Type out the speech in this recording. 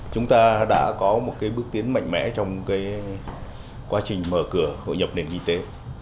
chúng ta đã có một bước tiến mạnh mẽ trong quá trình mở cửa hội nhập nền kinh tế